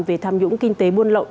về tham nhũng kinh tế buôn lậu